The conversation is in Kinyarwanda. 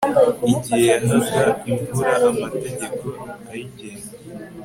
igihe yahaga imvura amategeko ayigenga